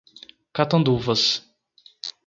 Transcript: Catanduvas